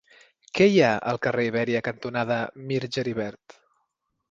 Què hi ha al carrer Ibèria cantonada Mir Geribert?